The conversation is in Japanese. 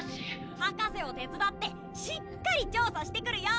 博士を手伝ってしっかり調査してくるよ。